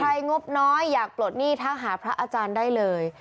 งบน้อยอยากปลดหนี้ถ้าหาพระอาจารย์ได้เลย